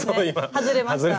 外れました。